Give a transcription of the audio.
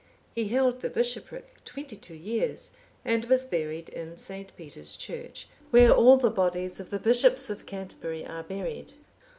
He held the bishopric twenty two years,(803) and was buried in St. Peter's church,(804) where all the bodies of the bishops of Canterbury are buried.